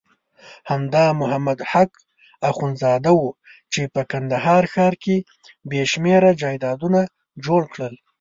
همدا محمد حق اخندزاده وو چې په کندهار ښار کې بېشمېره جایدادونه جوړ کړل.